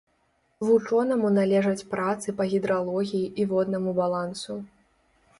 Вучонаму належаць працы па гідралогіі і воднаму балансу.